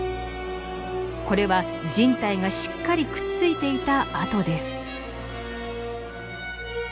これはじん帯がしっかりくっついていた跡です。